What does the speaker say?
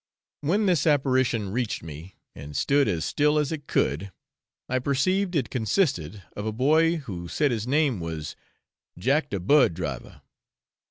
When this apparition reached me and stood as still as it could, I perceived it consisted of a boy who said his name was 'Jack de bird driver.'